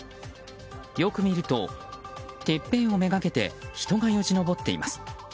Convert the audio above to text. よく見ると、てっぺんを目がけて人がよじ登っています。